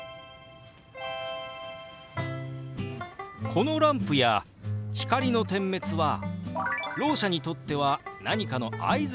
このランプや光の点滅はろう者にとっては何かの合図になるんでしたね。